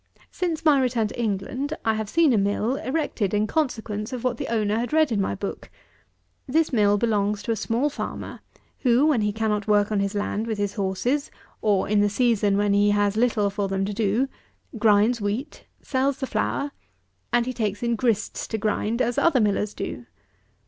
Since my return to England I have seen a mill, erected in consequence of what the owner had read in my book. This mill belongs to a small farmer, who, when he cannot work on his land with his horses, or in the season when he has little for them to do, grinds wheat, sells the flour; and he takes in grists to grind, as other millers do.